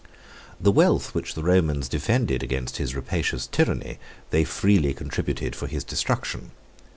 The wealth which the Romans defended against his rapacious tyranny, they freely contributed for his destruction.